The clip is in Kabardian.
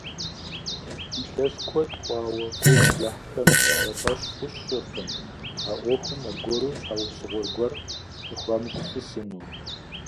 Илъэс куэд хъуауэ гугъу ехьхэм я фӀэщ хъущэркъым а Ӏуэхум аргуэру щхьэусыгъуэ гуэр къыхуамыгупсысыну.